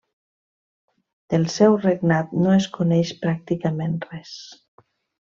Del seu regnat no es coneix pràcticament res.